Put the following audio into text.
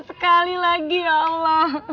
sekali lagi ya allah